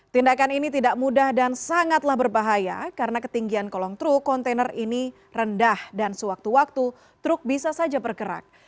tindakan ini tidak mudah dan sangatlah berbahaya karena ketinggian kolong truk kontainer ini rendah dan sewaktu waktu truk bisa saja bergerak